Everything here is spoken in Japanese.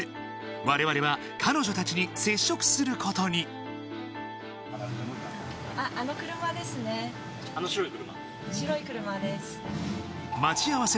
我々は彼女たちに接触することに待ち合わせ